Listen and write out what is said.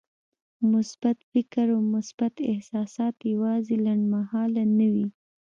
مثبت فکر او مثبت احساسات يوازې لنډمهاله نه وي.